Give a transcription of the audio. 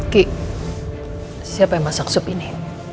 kik siapa yang masak sup ini